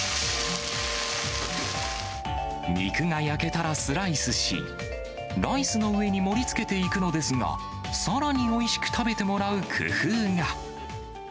肉が焼けたらスライスし、ライスの上に盛りつけていくのですが、さらにおいしく食べてもらう工夫が。